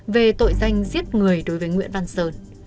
về tội danh giết người đối với nguyễn văn sơn